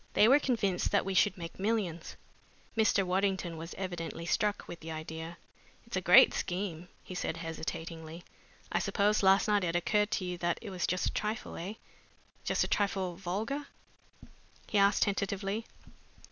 They were convinced that we should make millions." Mr. Waddington was evidently struck with the idea. "It's a great scheme," he said hesitatingly. "I suppose last night it occurred to you that it was just a trifle eh? just a trifle vulgar?" he asked tentatively.